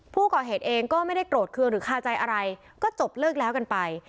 ผู้ก่อเหตุเองก็ไม่ได้โกรธเครื่องหรือคาใจอะไรก็จบเลิกแล้วกันไป